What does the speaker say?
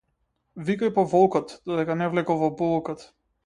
Викај по волкот, додека не влегол во булукот.